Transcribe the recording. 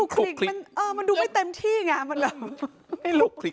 คลุกมันดูไม่เต็มที่ไง